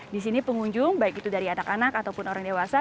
di sini pengunjung baik itu dari anak anak ataupun orang dewasa